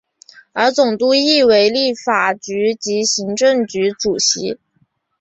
而总督亦为立法局及行政局主席。